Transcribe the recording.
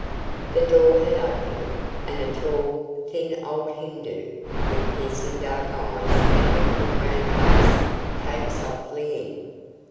The door had opened, and a tall, thin old Hindoo, with piercing dark eyes and wrinkled brown face, came softly in.